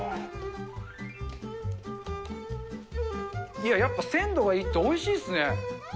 いや、やっぱり鮮度がいいとおいしいですね。